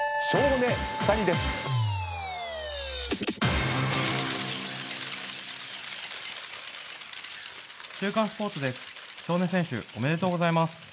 庄根選手おめでとうございます。